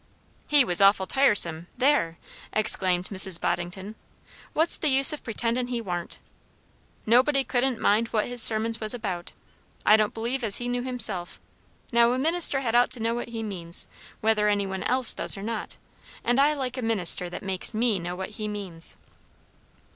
"He was awful tiresome there!" exclaimed Mrs. Boddington. "What's the use of pretendin' he warn't? Nobody couldn't mind what his sermons was about; I don't believe as he knew himself. Now, a minister had ought to know what he means, whether any one else does or not, and I like a minister that makes me know what he means."